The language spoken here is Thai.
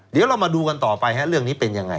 เดี๋ยวเรามาดูกันต่อไปเรื่องนี้เป็นยังไง